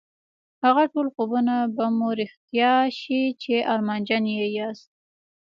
هغه ټول خوبونه به مو رښتيا شي چې ارمانجن يې ياست.